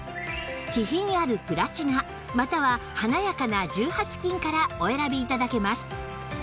気品あるプラチナまたは華やかな１８金からお選び頂けます